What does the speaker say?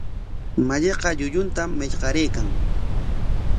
Malliqa llulluntam marqaraykan.